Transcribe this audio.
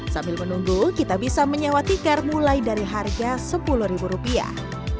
sambil menunggu kita bisa menyewa tikar mulai dari harga sepuluh ribu rupiah